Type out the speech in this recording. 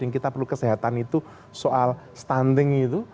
kita perlu kesehatan itu soal stunting itu